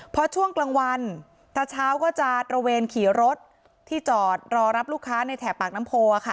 พอช่วงกลางวันตาเช้าก็จะตระเวนขี่รถที่จอดรอรับลูกค้าในแถบปากน้ำโพค่ะ